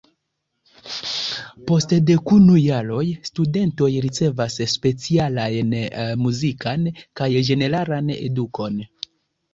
Post dekunu jaroj studentoj ricevas specialajn muzikan kaj ĝeneralan edukon.